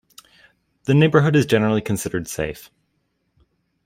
The neighbourhood is generally considered safe.